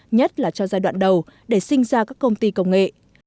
nhất là cho giai đoạn đầu để sinh ra các công ty công nghệ